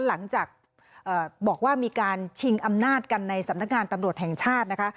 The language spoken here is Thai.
หลังจากบอกว่ามีการชิงอำนาจกันในสำนักงานตำรวจแห่งชาตินะคะ